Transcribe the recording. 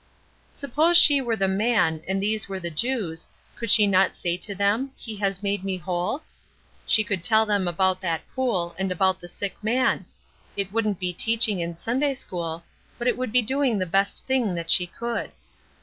Suppose she were the man, and these were the Jews, could she not say to them, "He has made me whole"? She could tell them about that pool, and about the sick man. It wouldn't be teaching in Sunday school, but it would be doing the best thing that she could.